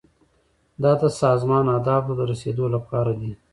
دا د سازمان اهدافو ته د رسیدو لپاره دي.